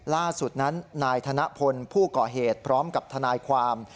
ล่าสุดนั้นนายธนพลผู้ก่อเหตุพร้อมกับทนายความ